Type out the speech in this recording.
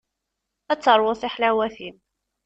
Ad teṛwuḍ tiḥlawatin.